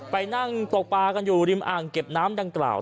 ไปนั่งตกปลากันอยู่ริมอ่างเก็บน้ำดังกล่าว